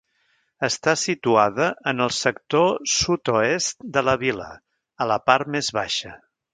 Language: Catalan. Està situada en el sector sud-oest de la vila, a la part més baixa.